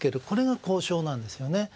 これが交渉なんですよね。